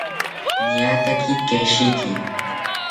Niataki keshiki